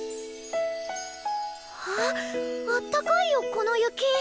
あっあったかいよこの雪。